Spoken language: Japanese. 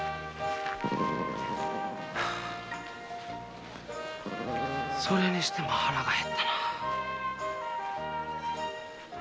ああそれにしても腹が減ったな。